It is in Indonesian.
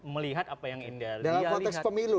melihat apa yang indah